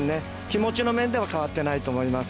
気持ちの面では変わってないと思います。